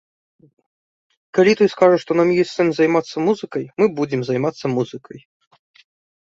І калі той скажа, што нам ёсць сэнс займацца музыкай, мы будзем займацца музыкай.